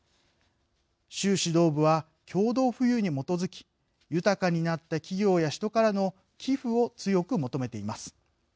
習指導部は共同富裕に基づき豊かになった企業や人からの寄付を強く求めています。